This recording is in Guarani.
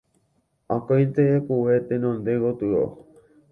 Akóinte eku'e tenonde gotyo